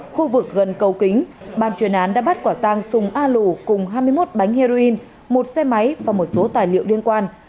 khu vực gần cầu kính ban chuyên án đã bắt quả tăng sùng a lù cùng hai mươi một bánh heroin một xe máy và một số tài liệu liên quan